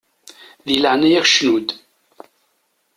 Di leɛnaya-k cnu-d!